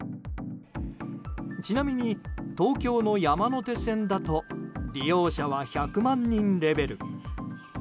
ちなみに東京の山手線だと利用者は１００万人レベル。